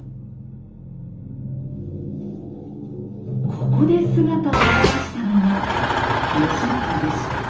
ここで姿を現したのが慶喜でした。